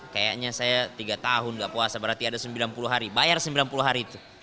kayaknya saya tiga tahun gak puasa berarti ada sembilan puluh hari bayar sembilan puluh hari itu